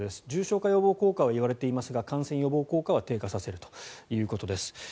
重症化予防効果はいわれていますが感染予防効果は低下させるということです。